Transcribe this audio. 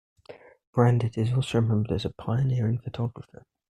Brandt is also remembered as a pioneering photographer.